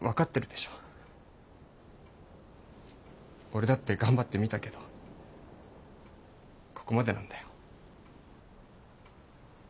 俺だって頑張ってみたけどここまでなんだよ。